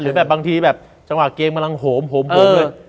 หรือบางเวลาเจมส์เจมส์เจ่นเชี่ยว